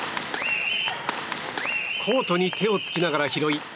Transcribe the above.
コートに手をつきながら拾い